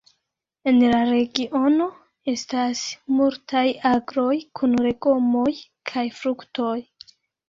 En la regiono estas multaj agroj kun legomoj kaj fruktoj.